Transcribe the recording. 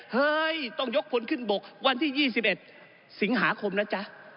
เฮ้ยต้องยกผลขึ้นบกวันที่ยี่สิบเอ็ดสิงหาคมนะจ๊ะ